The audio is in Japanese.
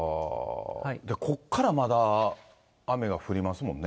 ここからまだ雨が降りますもんね。